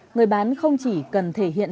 người bán không chỉ cần thể hiện